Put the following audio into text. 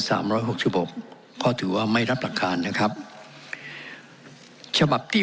สามร้อยหกสิบหกก็ถือว่าไม่รับหลักการนะครับฉบับที่